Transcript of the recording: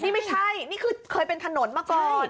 นี่ไม่ใช่นี่คือเคยเป็นถนนมาก่อน